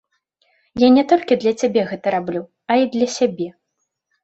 Я не толькі для цябе гэта раблю, а і для сябе.